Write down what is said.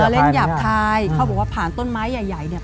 เล่นหยาบคายเขาบอกว่าผ่านต้นไม้ใหญ่ใหญ่เนี่ย